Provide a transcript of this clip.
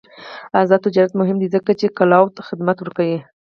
آزاد تجارت مهم دی ځکه چې کلاؤډ خدمات ورکوي.